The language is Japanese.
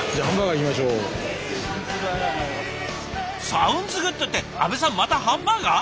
「サウンズグッド」って阿部さんまたハンバーガー？